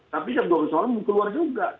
tapi jam dua belas sore mau keluar juga